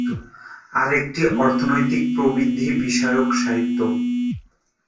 আরেকটি অর্থনৈতিক প্রবৃদ্ধি বিষয়ক সাহিত্য।